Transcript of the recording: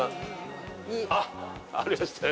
あっありましたよ